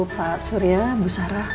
pak surya bu sara